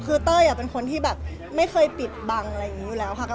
คือเต้ยเป็นคนที่แบบไม่เคยปิดบังอะไรอย่างนี้อยู่แล้วค่ะ